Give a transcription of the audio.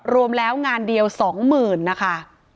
รวมแล้วงานเดียวสองหมื่นนะคะ